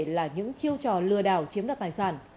là những chiêu trò lừa đảo chiếm đoạt tài sản